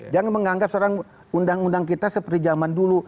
jangan menganggap sekarang undang undang kita seperti zaman dulu